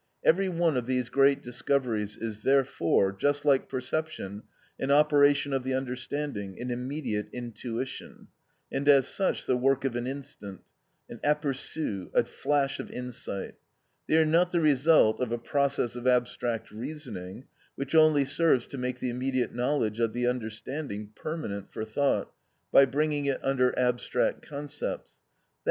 Every one of these great discoveries is therefore, just like perception, an operation of the understanding, an immediate intuition, and as such the work of an instant, an apperçu, a flash of insight. They are not the result of a process of abstract reasoning, which only serves to make the immediate knowledge of the understanding permanent for thought by bringing it under abstract concepts, _i.